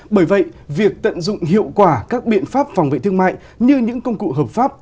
bởi vậy việc tận dụng hiệu quả các biện pháp phòng vệ thương mại như những công cụ hợp pháp